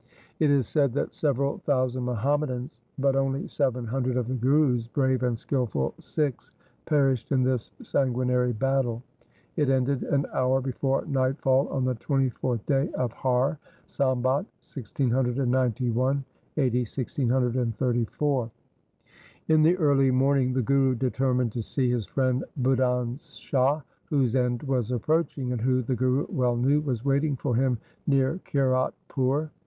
1 It is said that several thousand Muhammadans but only seven hundred of the Guru's brave and skilful Sikhs perished in this sanguinary battle. It ended an hour before nightfall on the 24th day of Har, Sambat 1691 (a.d. 1634). 1 Dabisian i Mazahab. LIFE OF GURU HAR GOBIND 213 In the early morning the Guru determined to see his friend Budhan Shah, whose end was approaching, and who, the Guru well knew, was waiting for him near Kiratpur.